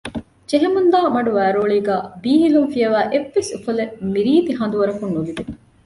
ޖެހެމުންދާ މަޑުވައިރޯޅީގައި ބީހިލުން ފިޔަވައި އެއްވެސް އުފަލެއް މިރީތި ހަނދުވަރަކުން ނުލިބޭ